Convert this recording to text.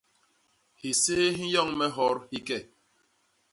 Hiséé hi nyoñ me hot hi ke.